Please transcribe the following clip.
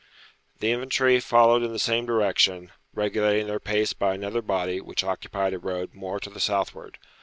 The infantry followed in the same direction, regulating their pace by another body which occupied a road more to the southward.